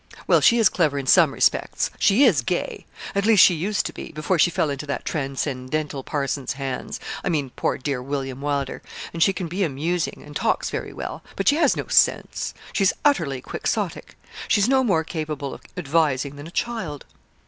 'Well, she is clever in some respects; she is gay, at least she used to be, before she fell into that transcendental parson's hands I mean poor dear William Wylder; and she can be amusing, and talks very well, but she has no sense she is utterly Quixotic she is no more capable of advising than a child.'